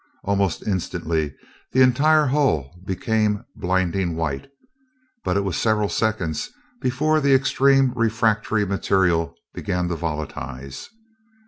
Almost instantly the entire hull became blinding white, but it was several seconds before the extremely refractory material began to volatilize.